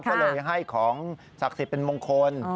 ก็เลยให้ของศักดิ์สิทธิ์เป็นมงคล